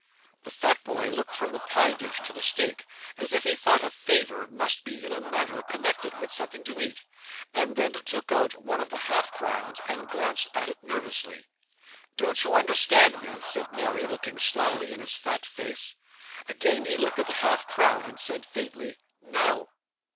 The fat boy looked from the pie dish to the steak, as if he thought a favour must be in a manner connected with something to eat; and then took out one of the half crowns and glanced at it nervously. 'Don't you understand me?' said Mary, looking slily in his fat face. Again he looked at the half crown, and said faintly, 'No.